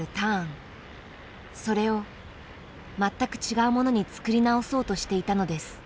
それを全く違うものに作り直そうとしていたのです。